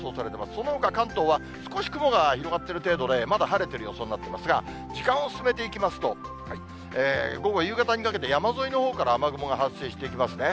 そのほか関東は、少し雲が広がっている程度で、まだ晴れている予想になっていますが、時間を進めていきますと、午後、夕方にかけて、山沿いのほうから雨雲が発生してきますね。